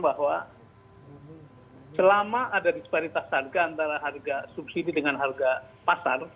bahwa selama ada disparitas harga antara harga subsidi dengan harga pasar